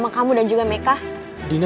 aku nunggu disini